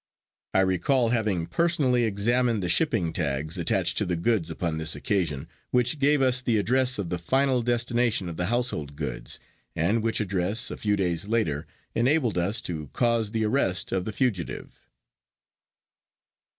I recall having personally examined the shipping tags attached to the goods upon this occasion, which gave us the address of the final destination of the household goods, and which address, a few days later, enabled us to cause the arrest of the fugitive.